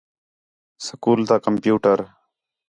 سکول تا کمپیوٹر